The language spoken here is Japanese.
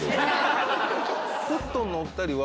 コットンのお２人は。